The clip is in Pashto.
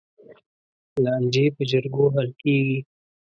لانجې په جرګو حل کېږي.